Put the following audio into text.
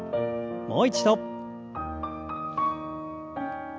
もう一度。